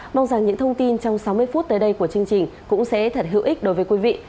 mong rằng những thông tin trong sáu mươi phút tới đây của chương trình cũng sẽ thật hữu ích đối với quý vị